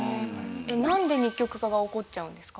なんで二極化が起こっちゃうんですか？